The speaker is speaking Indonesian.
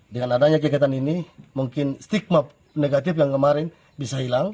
dengan adanya kegiatan ini mungkin stigma negatif yang kemarin bisa hilang